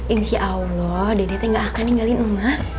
insya allah dede teh gak akan ninggalin ma